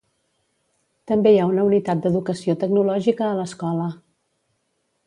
També hi ha una unitat d'educació tecnològica a l'escola.